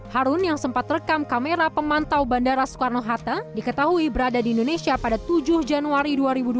harun yang sempat rekam kamera pemantau bandara soekarno hatta diketahui berada di indonesia pada tujuh januari dua ribu dua puluh